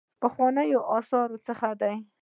پخوانیو آثارو څخه دی.